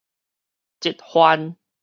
這番